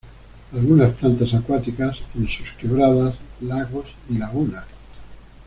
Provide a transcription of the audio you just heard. Algunas plantas acuáticas en sus quebradas, lagos y lagunas.